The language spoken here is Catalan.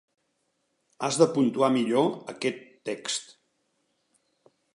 Has de puntuar millor aquest text.